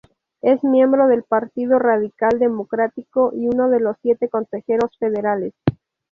Es miembro del Partido Radical Democrático y uno de los siete consejeros federales.